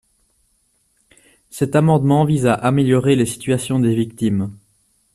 Cet amendement vise à améliorer la situation des victimes.